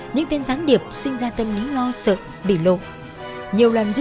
những người ở các địa phương đến hải phòng